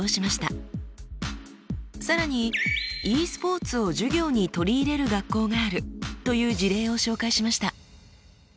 更にｅスポーツを授業に取り入れる学校があるという事例を紹介しました。